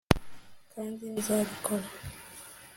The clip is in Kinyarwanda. kandi nzabikora